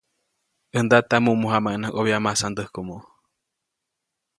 ʼÄj ndata, mumu jamaʼuŋnaʼajk ʼobya masandäjkomo.